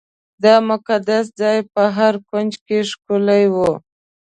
دا مقدس ځای په هر کونج کې ښکلی و.